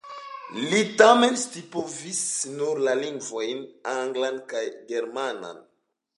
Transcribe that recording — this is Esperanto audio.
Li tamen scipovis nur la lingvojn anglan kaj germanan.